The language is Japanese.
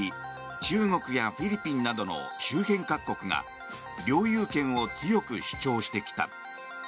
中国やフィリピンなどの周辺各国が領有権を強く主張してきた。